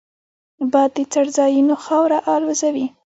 باد د څړځایونو خاوره الوزوي